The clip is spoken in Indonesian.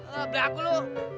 beli aku lu